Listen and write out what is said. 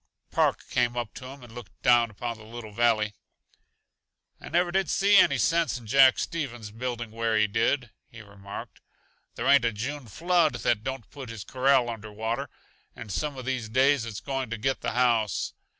Park came up to him and looked down upon the little valley. "I never did see any sense in Jack Stevens building where he did," he remarked. "There ain't a June flood that don't put his corral under water, and some uh these days it's going to get the house.